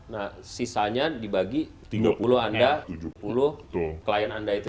nah sisanya dibagi dua puluh anda sepuluh klien anda itu